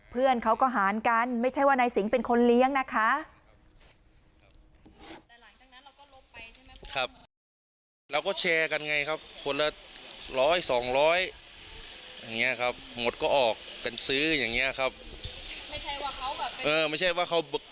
เพื่อนเขาก็หารกันไม่ใช่ว่านายสิงห์เป็นคนเลี้ยงนะคะ